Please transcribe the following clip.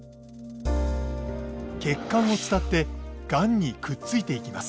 血管を伝ってがんにくっついていきます。